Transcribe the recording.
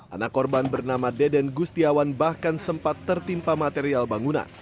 anak korban bernama deden gustiawan bahkan sempat tertimpa material bangunan